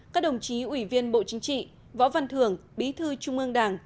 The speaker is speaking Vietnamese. các đồng chí ủy viên bộ chính trị võ văn thường bí thư trung ương đảng